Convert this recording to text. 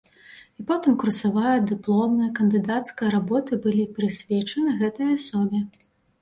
І потым курсавая, дыпломная, кандыдацкая работы былі прысвечаны гэтай асобе.